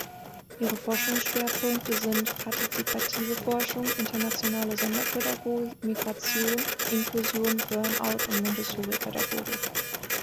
Ihre Forschungsschwerpunkte sind: Partizipative Forschung, Internationale Sonderpädagogik, Migration, Inklusion, Burnout und Montessoripädagogik.